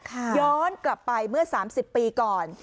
ค่ะย้อนกลับไปเมื่อสามสิบปีก่อน